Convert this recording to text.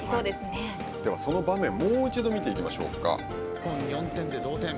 では、その場面もう一度見ていきましょうか。